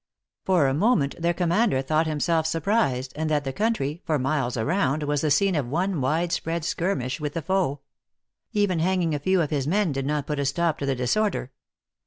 For a moment their commander thought himself surprised, and that the country, for miles around, was the scene of one wide spread skirmish with the foe. Even hang ing a few of his men did not put a stop to the disorder.